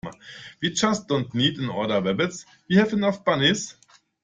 I just don't need another rabbit. We have enough bunnies.